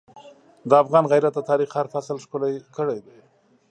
د افغان غیرت د تاریخ هر فصل ښکلی کړی دی.